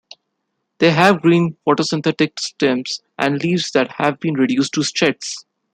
They have green, photosynthetic stems and leaves that have been reduced to sheaths.